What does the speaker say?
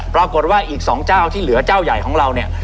ปรากฏว่าอีก๒เจ้าที่เหลือเจ้าใหญ่ของเราเนี่ย